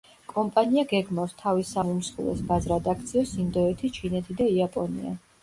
კომპანია გეგმავს, თავის სამ უმსხვილეს ბაზრად აქციოს ინდოეთი, ჩინეთი და იაპონია.